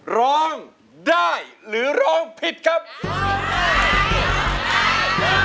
ร้องได้ร้องได้